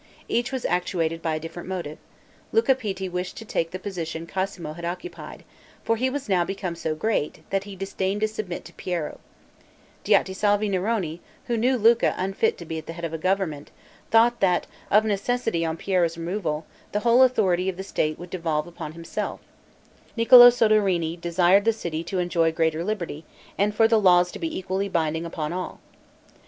Each was actuated by a different motive; Luca Pitti wished to take the position Cosmo had occupied, for he was now become so great, that he disdained to submit to Piero; Diotisalvi Neroni, who knew Luca unfit to be at the head of a government, thought that of necessity on Piero's removal, the whole authority of the state would devolve upon himself; Niccolo Soderini desired the city to enjoy greater liberty, and for the laws to be equally binding upon all.